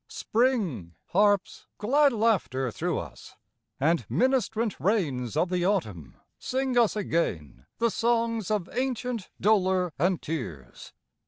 Spring harps glad laughter through us, and ministrant rains of the autumn Sing us again the songs of ancient dolor and tears.